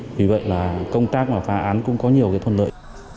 vì vậy công tác và phá án cũng có nhiều thuận lợi